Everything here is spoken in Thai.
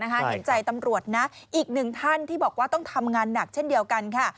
เห็นใจตำรวจนะอีกหนึ่งท่านที่บอกว่าต้องทำงานหนักเช่นเดียวกันค่ะ